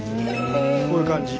こういう感じ。